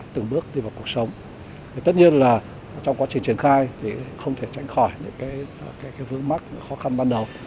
trong quá trình triển khai không thể tránh khỏi những vương mắc khó khăn ban đầu